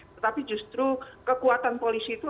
tetapi justru kekuatan polisi itu